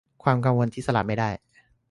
ความกังวลที่สลัดไม่ได้